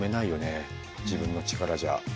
自分の力じゃ。